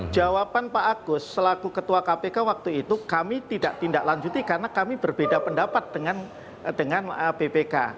jawaban pak agus selaku ketua kpk waktu itu kami tidak tindak lanjuti karena kami berbeda pendapat dengan bpk